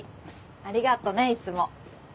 ありがとねいつも。